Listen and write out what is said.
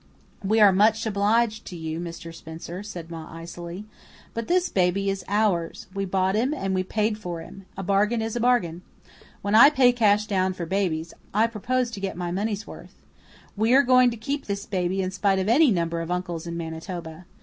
"We are much obliged to you, Mr. Spencer," said Ma icily, "but this baby is OURS. We bought him, and we paid for him. A bargain is a bargain. When I pay cash down for babies, I propose to get my money's worth. We are going to keep this baby in spite of any number of uncles in Manitoba.